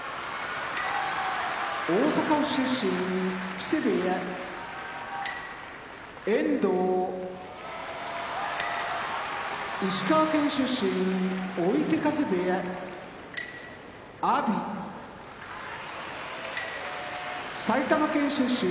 大阪府出身木瀬部屋遠藤石川県出身追手風部屋阿炎埼玉県出身